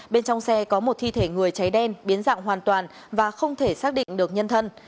bên trong xe có một thi thể người cháy đen biến dạng hoàn toàn và không thể xác định được nhân thân